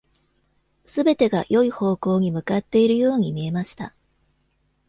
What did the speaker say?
すべてが良い方向に向かっているように見えました。